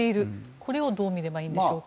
これをどう見ればいいのでしょうか。